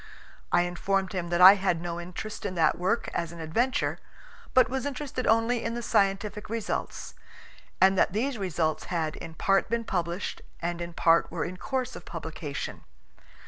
I informed him that I had no interest in that work as an adventure, but was interested only in the scientific results, and that these results had in part been published and in part were in course of publication.